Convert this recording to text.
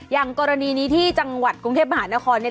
อย่างกรณีนี้ที่จังหวัดกรุงเทพมหานครเนี่ย